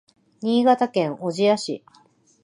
新潟県小千谷市